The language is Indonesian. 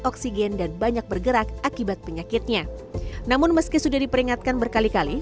oksigen dan banyak bergerak akibat penyakitnya namun meski sudah diperingatkan berkali kali